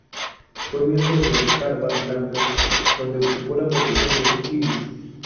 Fue miembro del Harvard Lampoon, donde ocupó la posición de Ibis.